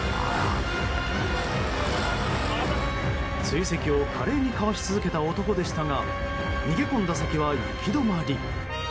追跡を華麗にかわし続けた男でしたが逃げ込んだ先は行き止まり。